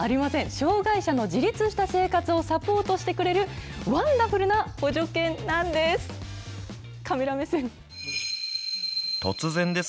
障害者の自立した生活をサポートしてくれる、ワンダフルな補助犬なんです。